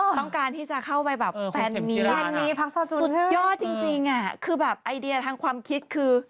สุดยอดจริงอะคือแบบไอเดียทางความคิดคือ